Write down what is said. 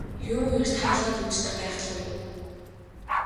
Юун эрт хаалгаа түгждэг гайхал вэ.